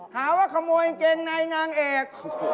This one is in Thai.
หาว่าขโมยกางเกงในนางเอก